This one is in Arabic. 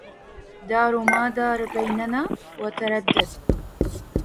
دار ما دار بيننا وتردد